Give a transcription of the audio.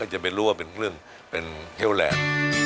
เห้วแลน